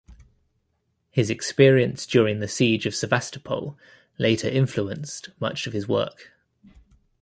His experience during the siege of Sevastopol later influenced much of his work.